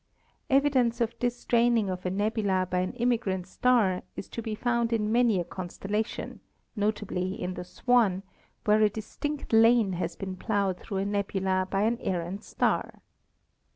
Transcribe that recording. Evidence of this draining of a nebula by an immigrant star is to be found in many a constellation, notably in the Swan, where a distinct lane has been plowed through a nebula by an errant star.